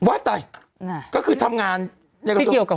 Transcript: ว๊าต่ายไหนก็คือทำงานไว้กับเนี้ยเกี่ยวกับ